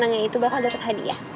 yang terbaik itu ada yang dapet hadiah